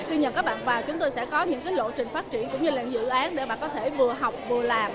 khi nhờ các bạn vào chúng tôi sẽ có những lộ trình phát triển cũng như là dự án để bạn có thể vừa học vừa làm